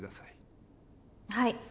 はい。